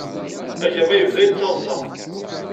Agama yebda yettaḍsa.